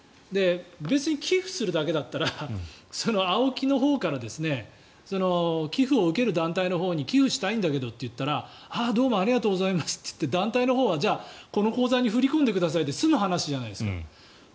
別に寄付するだけだったらＡＯＫＩのほうから寄付を受ける団体のほうに寄付をしたいんだけどって言ったらどうもありがとうございますと言って団体のほうはこの口座に振り込んでくださいで済む話じゃないですか。